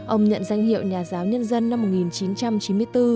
ông nhận danh hiệu nhà giáo nhân dân năm một nghìn chín trăm chín mươi bốn